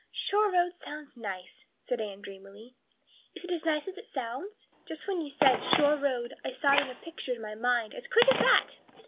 "Shore road sounds nice," said Anne dreamily. "Is it as nice as it sounds? Just when you said 'shore road' I saw it in a picture in my mind, as quick as that!